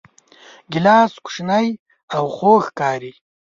ګیلاس کوچنی او خوږ ښکاري.